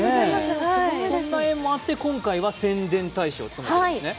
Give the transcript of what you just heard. そんな縁もあって今回は宣伝大使を務めているんですね。